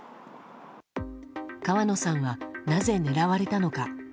川野さんは、なぜ狙われたのか。